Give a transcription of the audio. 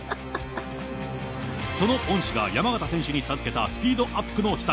その恩師が山縣選手に授けたスピードアップの秘策。